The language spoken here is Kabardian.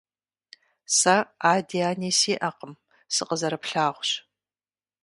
Сэ ади ани сиӀэкъым. Сыкъызэрыплъагъущ.